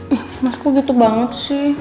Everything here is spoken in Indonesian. ih emas gue gitu banget sih